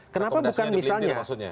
kenapa bukan misalnya